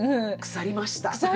腐りました？